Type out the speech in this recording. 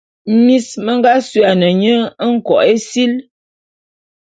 Mis me nga suane nye Nkok-Esil.